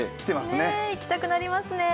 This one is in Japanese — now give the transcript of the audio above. ねえ、行きたくなりますね。